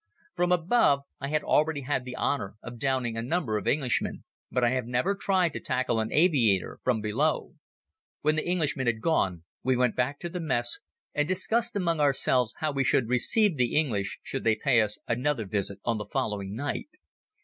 From above I had already had the honor of downing a number of Englishmen, but I had never tried to tackle an aviator from below. When the Englishman had gone we went back to mess and discussed among ourselves how we should receive the English should they pay us another visit on the following night.